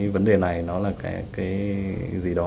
vấn đề này nó là cái gì đó